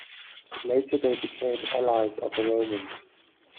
Later they became allies of the Romans.